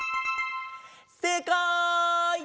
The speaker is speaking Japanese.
せいかい！